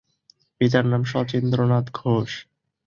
পিতার নাম শচীন্দ্রনাথ ঘোষ।